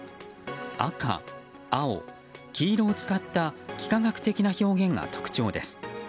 赤、青、黄色を使った幾何学的な表現が特徴です。